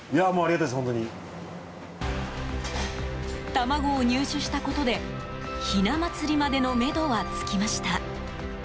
卵を入手したことでひな祭りまでのめどはつきました。